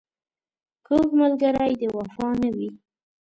کوږ ملګری د وفا نه وي